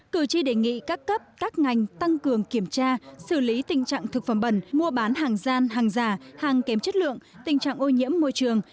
cử tri đề nghị các cấp các ngành tăng cường kiểm tra xử lý tình trạng thực phẩm bẩn mua bán hàng gian hàng giả hàng kém chất lượng tình trạng ô nhiễm môi trường